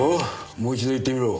もう一度言ってみろ。